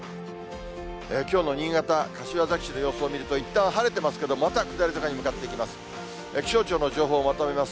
きょうの新潟・柏崎市の様子を見ると、いったん晴れてますけれども、また下り坂に向かっていきます。